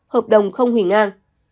hợp đồng không hủy ngang